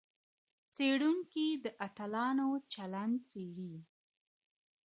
څېړونکي د اتلانو چلند څېړي.